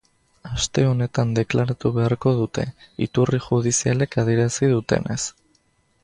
Aste honetan deklaratu beharko dute, iturri judizialek adierazi dutenez.